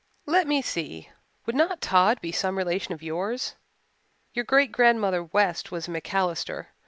Let me see would not Tod be some relation of yours? Your great grandmother West was a MacAllister.